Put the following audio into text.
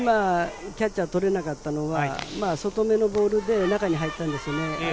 キャッチャーが今取れなかったのは外めのボールで中に入ったんですよね。